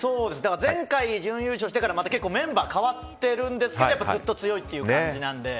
前回準優勝してからメンバー代わっているんですがずっと強いという感じなので。